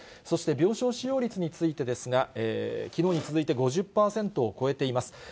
そして病床使用率についてですが、きのうに続いて５０％を超えています。